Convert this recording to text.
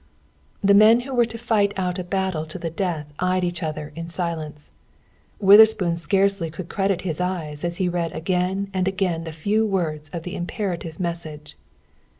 The men who were to fight out a battle to the death eyed each other in silence. Witherspoon scarcely could credit his eyes, as he read again and again the few words of the imperative message.